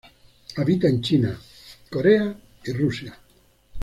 Habita en China, Corea y Rusia.